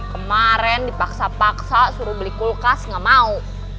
kemarin dipaksa paksa suruh beli kulkas nggak mau